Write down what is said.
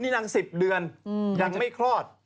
นินัง๑๐เดือนอย่างไม่คลอด